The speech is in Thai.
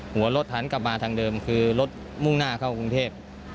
หัวรถหันกลับมาทางเดิมคือรถมุ่งหน้าเข้ากรุงเทพ